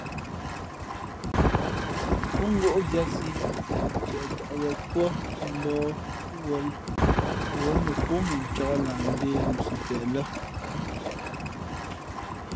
Pó ngóʼ mvīātsī ntieʼ tαʼ wěn kúά mbǒh wūᾱ ǒ mα pó mʉncāk lah mbēh nusipeʼ lά.